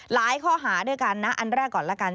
ข้อหาด้วยกันนะอันแรกก่อนละกัน